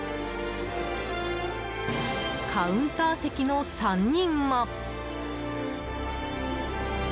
カウンター席の３人も。